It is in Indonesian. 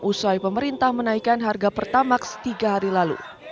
usai pemerintah menaikan harga pertama setiga hari lalu